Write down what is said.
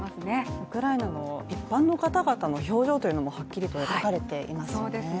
ウクライナの一般の方々の表情というのもはっきりと描かれていますね。